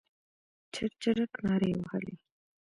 چرچرک نارې وهلې.